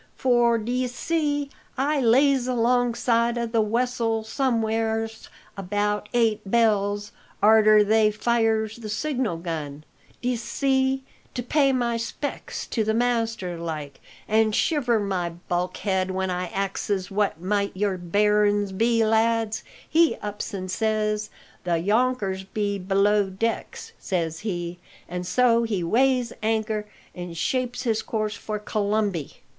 For, d'ye see, I lays alongside o' the wessel somewheres about eight bells arter they fires the signal gun, d'ye see to pay my 'specks to the master like, and shiver my bulk head, when I axes what might your bearin's be, lads, he ups an' says, 'The younkers be below decks,' says he; an' so he weighs anchor, an' shapes his course for Colombie."